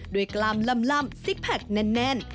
กล้ามล่ำซิกแพคแน่น